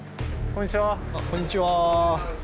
こんにちは。